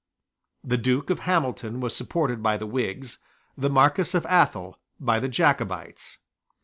The Duke of Hamilton was supported by the Whigs, the Marquess of Athol by the Jacobites.